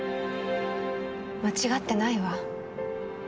間違ってないわ。